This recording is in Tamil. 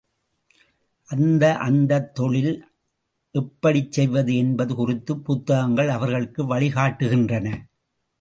அந்த அந்தத் தொழில் எப்படிச் செய்வது என்பது குறித்துப் புத்தகங்கள் அவர்களுக்கு வழிகாட்டுகின்றன.